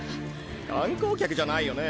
観光客じゃないよね？